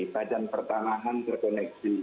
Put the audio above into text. badan pertanahan terkoneksi